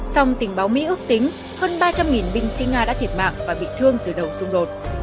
song tình báo mỹ ước tính hơn ba trăm linh binh sĩ nga đã thiệt mạng và bị thương từ đầu xung đột